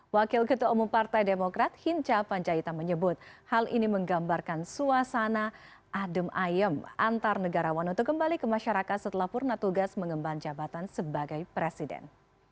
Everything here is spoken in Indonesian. wakil ketua umum partai demokrat hinca panjaitan menyebut hal ini menggambarkan suasana adem ayem antar negarawan untuk kembali ke masyarakat setelah purna tugas mengemban jabatan sebagai presiden